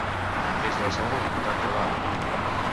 És la seu del comtat de Valley.